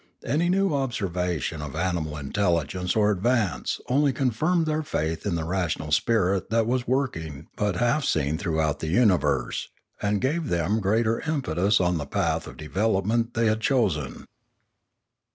Any new observation of animal intelligence or advance only confirmed their faith in the rational spirit that was working but half seen throughout the universe, and gave them greater im petus on the path of development they had chosen.